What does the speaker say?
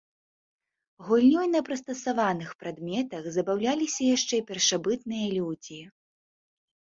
Гульнёй на прыстасаваных прадметах забаўляліся яшчэ першабытныя людзі.